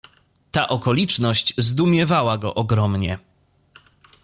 "Ta okoliczność zdumiewała go ogromnie."